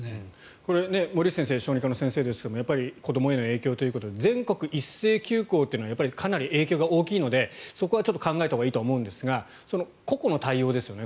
これ、森内先生小児科の先生ですけどやっぱり子どもへの影響ということで全国一斉休校というのはかなり影響が大きいのでそこは考えたほうがいいと思うんですが個々の対応ですよね。